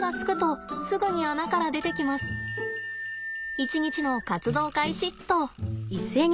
一日の活動開始っと。